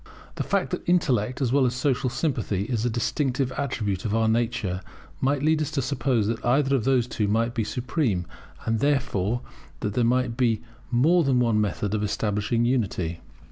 The fact that intellect, as well as social sympathy, is a distinctive attribute of our nature, might lead us to suppose that either of these two might be supreme, and therefore that there might be more than one method of establishing unity.